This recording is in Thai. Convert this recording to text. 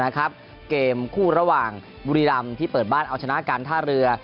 เกมคู่ระหว่างบุรีรำที่เปิดบ้านเอาชนะการท่าเรือ